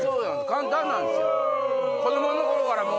簡単なんですよ。